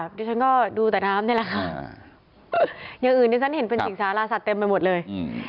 ดิฉันก็ดูแต่น้ำนี่แหละค่ะอย่างอื่นที่ฉันเห็นเป็นสิงสาราสัตว์เต็มไปหมดเลย